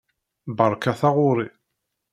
Beṛka taɣuṛi!